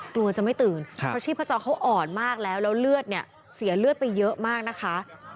กลัวจะไม่ตื่นเพราะชีพจรเขาอ่อนมากแล้วแล้วเลือดเนี่ยเสียเลือดไปเยอะมากนะคะ